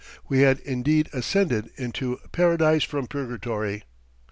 We had indeed ascended "into Paradise from Purgatory."